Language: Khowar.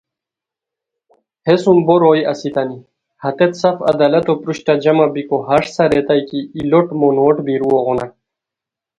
ہے سُم بوروئے اسیتانی ہتیت سف عدالتو پروشٹہ جمع بیکو ہݰ سارئیتائے کی ای لوٹ مونوٹ بیرؤغونہ